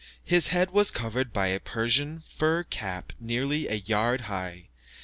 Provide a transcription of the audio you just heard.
His head was covered by a Persian fur cap nearly a yard high.